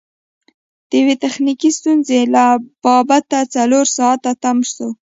د یوې تخنیکي ستونزې له با بته څلور ساعته تم سو.